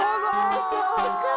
あそうか。